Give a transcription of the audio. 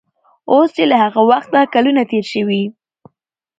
اوس چې له هغه وخته کلونه تېر شوي